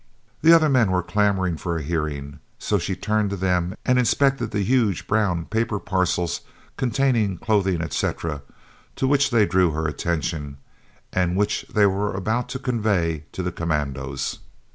The other men were clamouring for a hearing, so she turned to them and inspected the huge brown paper parcels containing clothing, etc., to which they drew her attention and which they were about to convey to the commandos.